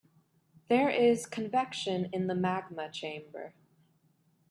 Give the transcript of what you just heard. There is convection in the magma chamber.